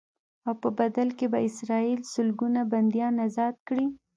او په بدل کې به اسرائیل سلګونه بنديان ازاد کړي.